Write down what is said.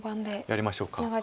やりましょうか。